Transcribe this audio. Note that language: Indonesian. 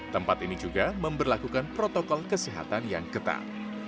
tempat ini juga memperlakukan protokol kesehatan yang ketat